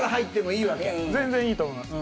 いいと思います。